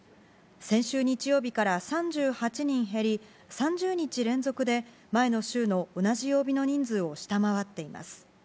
先週日曜日から３８人減り、３０日連続で前の週の同じ曜日の人数を下回っています。